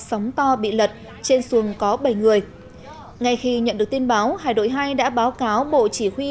sống to bị lật trên xuồng có bảy người ngay khi nhận được tin báo hải đội hai đã báo cáo bộ chỉ huy